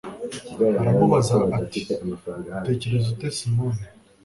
aramubaza ati :« Utekereza ute Simoni ?